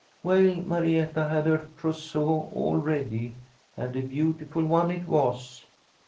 Well, Marietta had her trousseau all ready, and a beautiful one it was.